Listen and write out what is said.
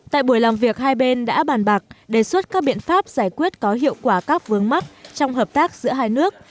tại buổi làm việc hai bên đã bàn bạc đề xuất các biện pháp giải quyết có hiệu quả các vướng mắt trong hợp tác giữa hai nước